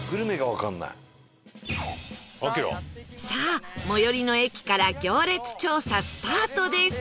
さあ最寄りの駅から行列調査スタートです